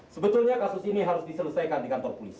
sebetulnya kasus ini harus diselesaikan di kantor polisi